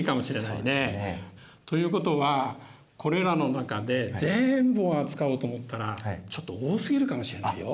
そうですね。ということはこれらの中で全部を扱おうと思ったらちょっと多すぎるかもしれないよ。